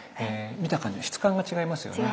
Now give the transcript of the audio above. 見た感じの質感が違いますよね。